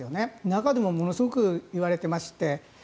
中でもものすごくいわれていまして。